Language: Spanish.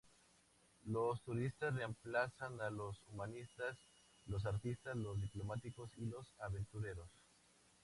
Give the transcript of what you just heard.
Los turistas reemplazan a los humanistas, los artistas, los diplomáticos y los aventureros.